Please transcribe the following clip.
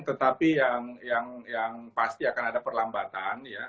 tetapi yang pasti akan ada perlambatan ya